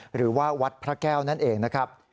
หรือว่าวัดพระแก้วนั่นเองนะครับ